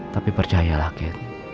tapi percaya lagi